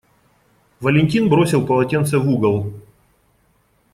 Валентин бросил полотенце в угол.